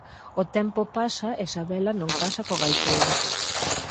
O tempo pasa e Sabela non casa co gaiteiro.